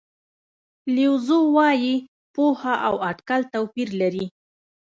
لیو زو وایي پوهه او اټکل توپیر لري.